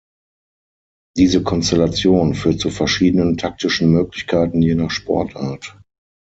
Diese Konstellation führt zu verschiedenen taktischen Möglichkeiten je nach Sportart.